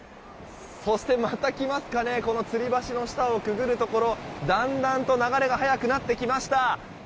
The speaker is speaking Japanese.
そして、また来ますかねこのつり橋の下をくぐるところだんだんと流れが速くなってきました。